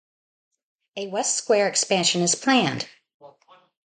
A West Square expansion is planned.